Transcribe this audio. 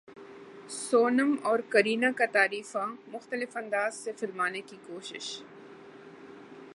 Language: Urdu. سونم اور کرینہ کا تعریفاں مختلف انداز سے فلمانے کی کوشش